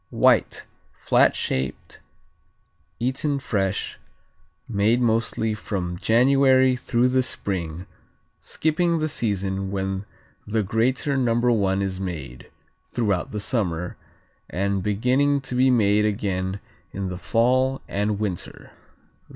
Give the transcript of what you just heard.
White; flat shaped; eaten fresh; made mostly from January through the Spring, skipping the season when the greater No. I is made (throughout the summer) and beginning to be made again in the fall and winter.